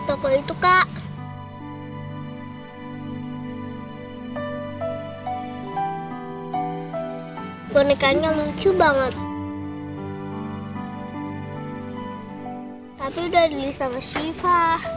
tapi udah di list sama siva